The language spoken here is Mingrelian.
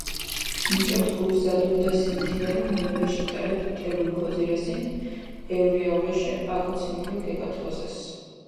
მუჭოთ გურს ზადუნდესინ თინერო მუნეფიშ ნტერეფი ნტებული ქოძირესინ, ეჸურე-აჸურეშე, აკოციმილო ქეკათხოზეს.